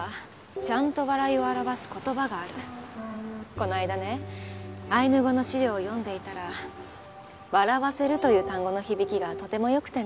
この間ねアイヌ語の資料を読んでいたら「笑わせる」という単語の響きがとても良くてね。